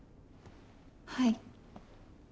はい。